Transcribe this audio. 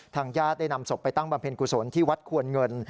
ญาติได้นำศพไปตั้งบำเพ็ญกุศลที่วัดควรเงิน